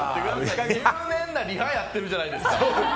入念なリハやってるじゃないですか。